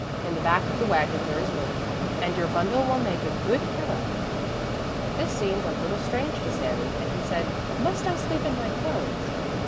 In the back of the wagon there is room, and your bundle will make a good pillow." This seemed a little strange to Sami, and he said: "Must I sleep in my clothes?"